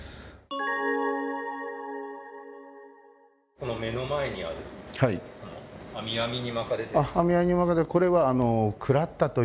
この目の前にあるこれは。